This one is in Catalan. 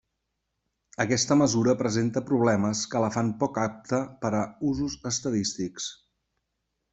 Aquesta mesura presenta problemes que la fan poc apta per a usos estadístics.